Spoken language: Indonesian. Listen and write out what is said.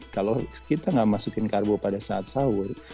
kalau kita nggak masukin karbo pada saat sahur